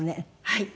はい。